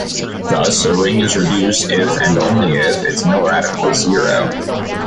Thus, a ring is reduced if and only if its nilradical is zero.